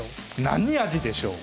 何味でしょう？